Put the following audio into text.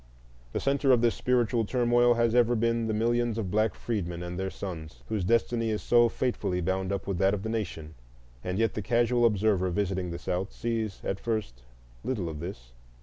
The centre of this spiritual turmoil has ever been the millions of black freedmen and their sons, whose destiny is so fatefully bound up with that of the nation. And yet the casual observer visiting the South sees at first little of this.